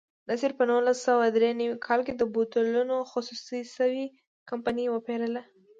نصیر په نولس سوه درې نوي کال کې د بوتلونو خصوصي شوې کمپنۍ وپېرله.